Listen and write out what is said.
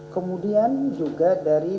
kemudian juga dari